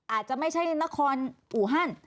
อาจจะไม่ใช่นครอูฮัน